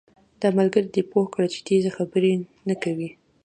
دا ملګری دې پوهه کړه چې تېزي خبرې نه کوي